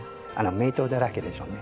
名刀だらけでしょうね。